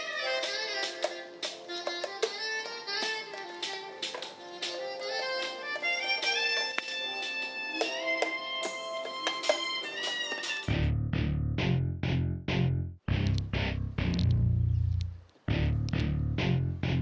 sen jadi kamu lebih pilih